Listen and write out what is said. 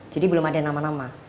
jadi belum ada nama nama